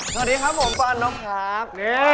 สวัสดีครับผมปอนนกครับ